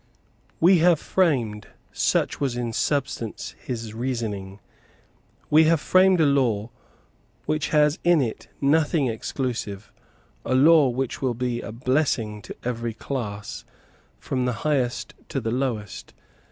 "We have framed" such was in substance his reasoning, "we have framed a law which has in it nothing exclusive, a law which will be a blessing to every class, from the highest to the lowest.